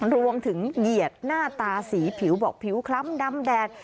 เหยียดหน้าตาสีผิวบอกผิวคล้ำดำแดด